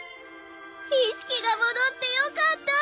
意識が戻ってよかった。